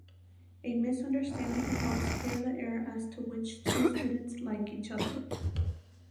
A misunderstanding helps clear the air as to which two students like each other.